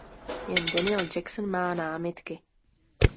Jen Daniel Jackson má námitky.